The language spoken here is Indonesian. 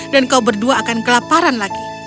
dan kau berdua akan kelaparan lagi